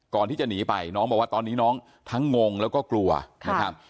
ก่อนที่จะหนีไปน้องบอกว่าตอนนี้น้องทั้งงงแล้วก็กลัวนะครับ